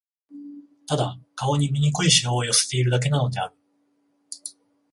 ただ、顔に醜い皺を寄せているだけなのである